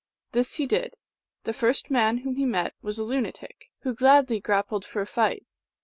This he did ; the first man whom he met was a lunatic, who gladly grappled for a fight.